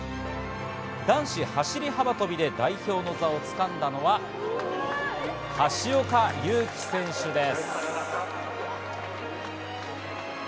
男子走り幅跳びで代表の座を掴んだのは橋岡優輝選手です。